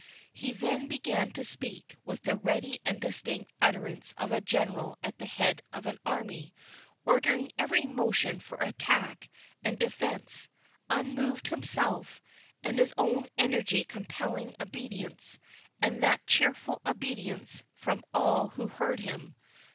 He then began to speak, with the ready and distinct utterance of a general at the head of an army, ordering every motion for attack and defence—unmoved himself, and his own energy compelling obedience, and that cheerful obedience, from all who heard him.